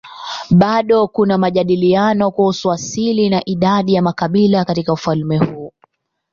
Bado kuna majadiliano kuhusu asili na idadi ya makabila katika ufalme huu.